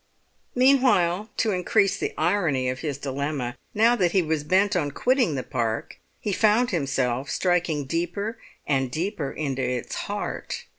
Meanwhile, to increase the irony of his dilemma, now that he was bent on quitting the Park he found himself striking deeper and deeper into its heart.